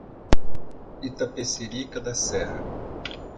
Itapecerica da Serra